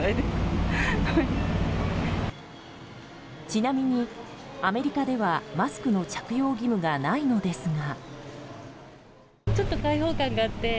ちなみに、アメリカではマスクの着用義務がないのですが。